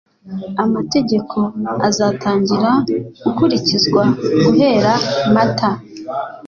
Amategeko azatangira gukurikizwa guhera Mata.